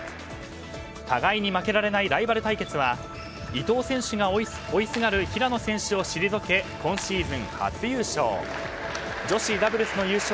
互いに負けられないライバル対決は伊藤選手が追いすがる平野選手を退け今シーズン初優勝。